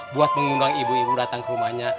buat mengundang ibu ibu datang ke rumahnya